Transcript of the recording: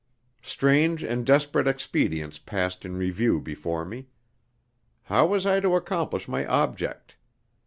Strange and desperate expedients passed in review before me. How was I to accomplish my object?